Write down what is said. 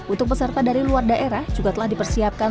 untuk peserta dari luar daerah juga telah dipersiapkan